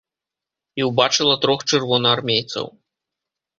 І ўбачыла трох чырвонаармейцаў.